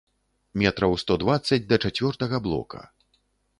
Метраў сто дваццаць да чацвёртага блока.